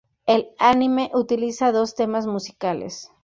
El anime utiliza dos temas musicales.